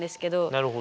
なるほど。